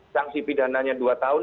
sangsi pidananya dua tahun